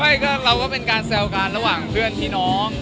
ไม่ก็เราก็เป็นการแซวกันระหว่างเพื่อนพี่น้อง